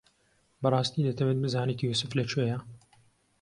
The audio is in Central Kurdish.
بەڕاستی دەتەوێت بزانیت یووسف لەکوێیە؟